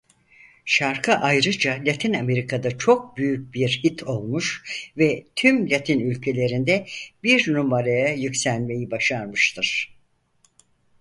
Şarkı ayrıca Latin Amerika'da çok büyük bir hit olmuş ve tüm latin ülkelerinde bir numaraya yükselmeyi başarmıştır.